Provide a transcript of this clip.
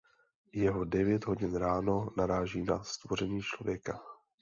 Jeho „devět hodin ráno“ naráží na stvoření člověka.